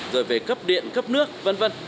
rồi về cấp điện cấp nước v v